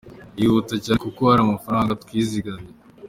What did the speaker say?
yihuta cyane kuko hari amafaranga twizigamye.